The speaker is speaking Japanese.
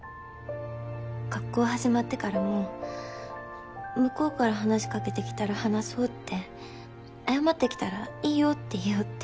学校始まってからも向こうから話しかけてきたら話そうって謝ってきたらいいよって言おうって。